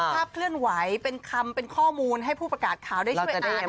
เคลื่อนไหวเป็นคำเป็นข้อมูลให้ผู้ประกาศข่าวได้ช่วยอ่าน